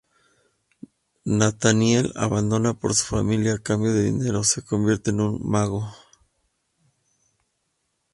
Nathaniel, abandonado por su familia a cambio de dinero, se convierte en un mago.